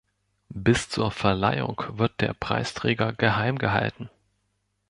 Bis zur Verleihung wird der Preisträger geheim gehalten.